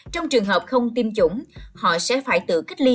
trong trường hợp không tiêm chủng họ sẽ phải tự cách ly một mươi ngày